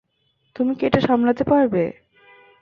তুমি কি এটা সামলাতে পারবে।